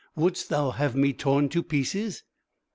Wouldst thou have me torn to pieces?"